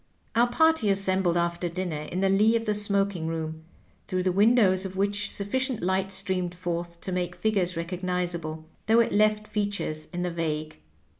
Our party assembled after dinner in the lee of the smoking room, through the windows of which sufficient light streamed forth to make figures recognizable, though it left features in the vague.